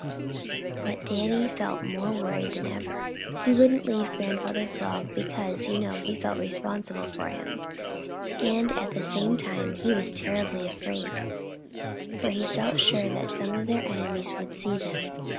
But Danny felt more worried than ever. He wouldn't leave Grandfather Frog because, you know, he felt re spon sible for him, and at the same time he was terribly afraid, for he felt sure that some of their enemies would see them.